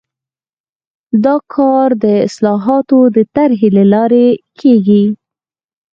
دا کار د اصلاحاتو د طرحې له لارې کیږي.